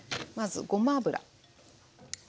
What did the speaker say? まずごま油。